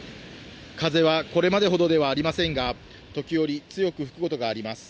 風はこれまでほどではありませんが、時折、強く吹くことがあります。